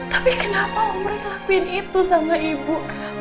tapi kenapa om roy ngelakuin itu sama ibu